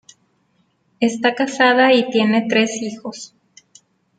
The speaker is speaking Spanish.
Está casada y tiene tres hijos.